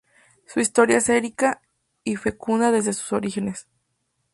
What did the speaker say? Su historia es rica y fecunda desde sus orígenes.